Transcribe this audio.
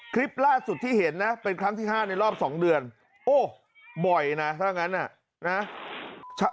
คลิปล่าสุดที่เห็นนะเป็นครั้งที่๕ในรอบ๒เดือนโอ้บ่อยนะถ้างั้นน่ะนะ